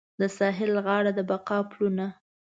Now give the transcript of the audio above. د ساحل غاړه د بقا پلونه